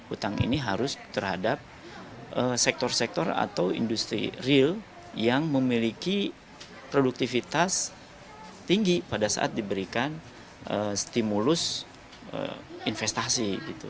utang ini harus terhadap sektor sektor atau industri real yang memiliki produktivitas tinggi pada saat diberikan stimulus investasi